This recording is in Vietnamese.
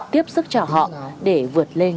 tiếp sức cho họ để vượt lên